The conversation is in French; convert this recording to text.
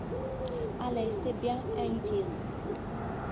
Allez, c’est bien inutile.